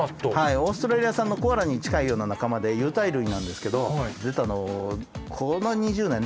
オーストラリア産のコアラに近いような仲間で有袋類なんですけど。